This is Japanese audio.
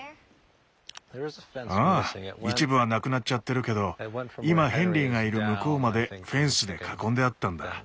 ああ一部はなくなっちゃってるけど今ヘンリーがいる向こうまでフェンスで囲んであったんだ。